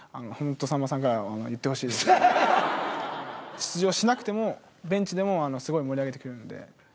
出場しなくてもベンチでもすごい盛り上げてくれるので。